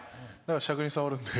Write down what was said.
しゃくに障るんで。